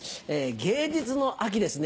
芸術の秋ですね